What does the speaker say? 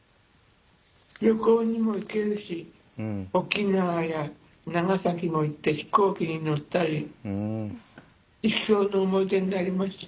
旅行にも行けるし沖縄や長崎も行って飛行機に乗ったり一生の思い出になりました。